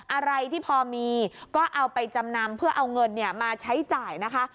อะไรที่พอมีก็เอาไปจำนำเพื่อเอาเงินมาใช้จ่ายนะคะ